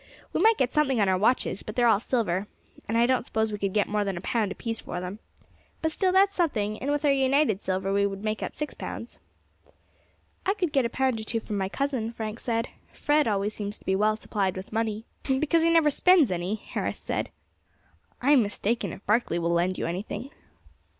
We might get something on our watches; but they are all silver, and I don't suppose we could get more than a pound apiece for them. But still that's something, and with our united silver would make up six pounds." "I could get a pound or two from my cousin," Frank said; "Fred always seems to be well supplied with money." "Because he never spends any," Harris said. "I am mistaken if Barkley will lend you anything."